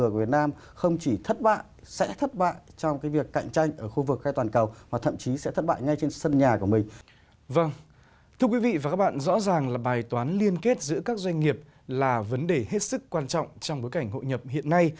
thưa quý vị và các bạn rõ ràng là bài toán liên kết giữa các doanh nghiệp là vấn đề hết sức quan trọng trong bối cảnh hội nhập hiện nay